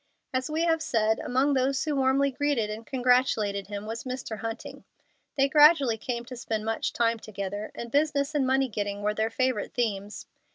As we have said, among those who warmly greeted and congratulated him, was Mr. Hunting. They gradually came to spend much time together, and business and money getting were their favorite themes.